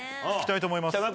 聴きたいと思います。